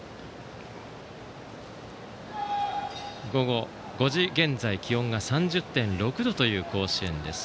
午後５時現在、気温が３０．６度という甲子園です。